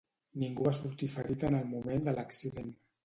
Ningú va sortir ferit en el moment de l'accident.